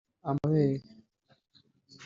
amabere